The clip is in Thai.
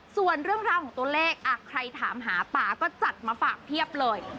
ส่วนเรื่องราวของตัวเลขใครถามหาป่าก็จัดมาฝากเพียบเลย